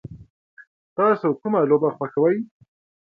تاسو کومه لوبه خوښوئ؟